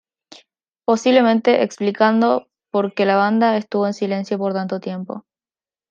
Posiblemente explicando porque la banda estuvo en silencio por tanto tiempo.